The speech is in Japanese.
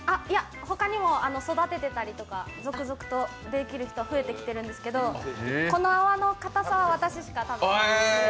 ほかにも育ててたりとか、続々とできる人が増えてきているんですけど、この泡のかたさは私しか多分。